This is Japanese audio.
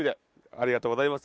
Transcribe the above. ありがとうございます。